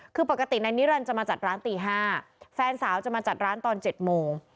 คือปกตินายนิรันดิจะมาจัดร้านตี๕แฟนสาวจะมาจัดร้านตอน๗โมง